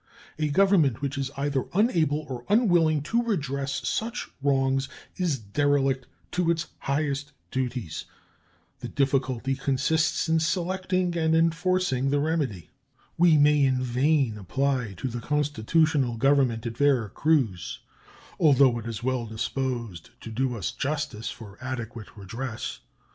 A government which is either unable or unwilling to redress such wrongs is derelict to its highest duties. The difficulty consists in selecting and enforcing the remedy. We may in vain apply to the constitutional Government at Vera Cruz, although it is well disposed to do us justice, for adequate redress.